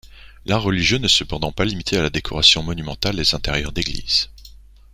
L'art religieux n'est cependant pas limité à la décoration monumentale des intérieurs d'églises.